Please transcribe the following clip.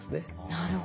なるほど。